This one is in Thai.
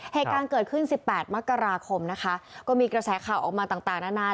เหตุการณ์เกิดขึ้นสิบแปดมกราคมนะคะก็มีกระแสข่าวออกมาต่างต่างนานา